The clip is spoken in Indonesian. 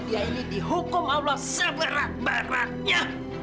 dia ini dihukum allah seberat baratnya